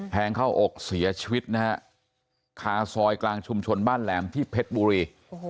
เข้าอกเสียชีวิตนะฮะคาซอยกลางชุมชนบ้านแหลมที่เพชรบุรี